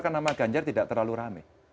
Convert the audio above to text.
kan nama ganjar tidak terlalu rame